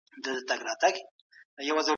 لویې څارنوالۍ د جرمونو پلټنه کوله.